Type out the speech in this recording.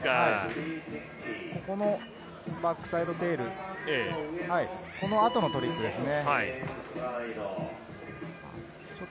ここのバックサイドテール、この後のトリックですね。